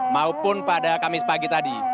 maupun pada kamis pagi tadi